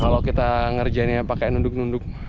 kalo kita ngerjanya pakai nunduk nunduk